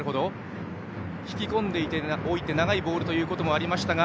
引き込んでおいて長いボールというのもありましたが。